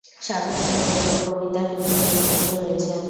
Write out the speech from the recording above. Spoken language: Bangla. সাধারণভাবে লোক-কবিতার বিভিন্ন বৈশিষ্ট্য রয়েছে।